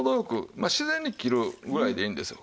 まあ自然に切るぐらいでいいんですよ。